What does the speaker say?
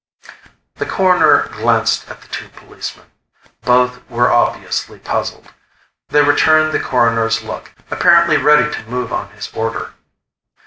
The Coroner glanced at the two policemen. Both were obviously puzzled. They returned the Coroner's look, apparently ready to move on his order.